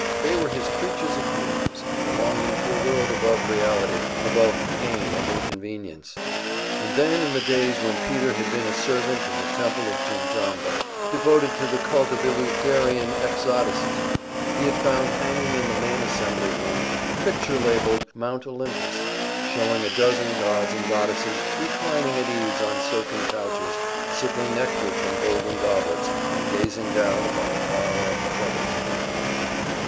They were his creatures of dreams, belonging to a world above reality, above pain and inconvenience. And then in the days when Peter had been a servant in the Temple of Jimjambo, devoted to the cult of Eleutherinian Exoticism, he had found hanging in the main assembly room a picture labelled, "Mount Olympus," showing a dozen gods and goddesses reclining at ease on silken couches, sipping nectar from golden goblets and gazing down upon the far off troubles of the world.